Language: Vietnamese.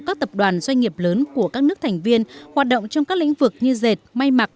các tập đoàn doanh nghiệp lớn của các nước thành viên hoạt động trong các lĩnh vực như dệt may mặc